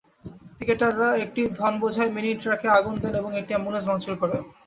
পিকেটাররা একটি ধানবোঝাই মিনি ট্রাকে আগুন দেন এবং একটি অ্যাম্বুলেন্স ভাঙচুর করেন।